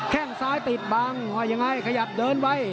แค่งซ้ายติดบังว่ายังไงขยับเดินไว้